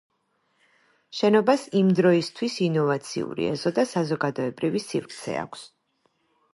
შენობას იმ დროისთვის ინოვაციური ეზო და საზოგადოებრივი სივრცე აქვს.